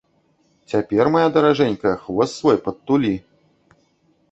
Цяпер, мая даражэнькая, хвост свой падтулі!